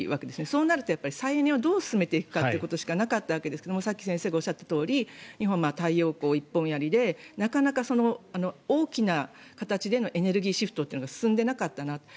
そうなると再エネをどう進めていくということしかなかったわけですがさっき先生がおっしゃったとおり日本は太陽光一本やりでなかなか大きな形でのエネルギーシフトというのが進んでいなかったなと。